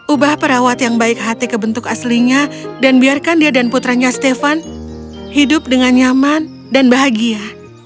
ubah perawat yang baik hati ke bentuk aslinya dan biarkan dia dan putranya stefan hidup dengan nyaman dan bahagia